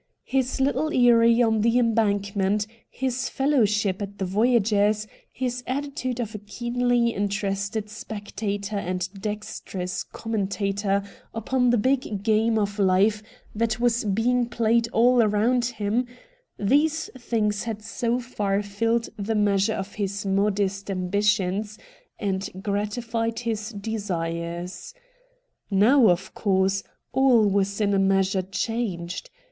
His httle eyrie on the Embankment, his fellow ship at the Voyagers', his attitude of a keenly interested spectator and dexterous commen tator upon the big game of Hfe that was being 214 RED DIAMONDS played all around him — these things had so far filled the measure of his modest ambitions and gratified his desires. Now, of course, all was in a measure changed.